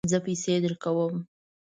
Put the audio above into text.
زه پیسې درکوم